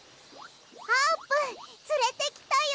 あーぷんつれてきたよ。